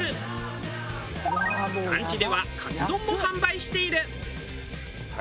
ランチではかつ丼も販売している。